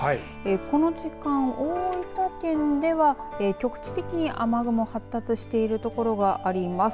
この時間、大分県では局地的に雨雲、発達しているところがあります。